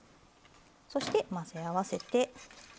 そして混ぜ合わせて。